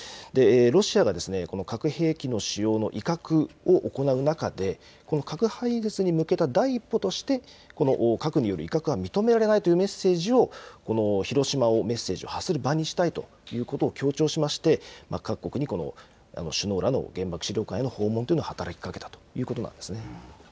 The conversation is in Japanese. ロシアが核兵器の使用の威嚇を行う中で、この核廃絶に向けた第一歩として、核による威嚇は認められないというメッセージを広島をメッセージを発する場にしたいということを強調しまして、各国にこの首脳らの原爆資料館への訪問というのを働きかけたということなんですね。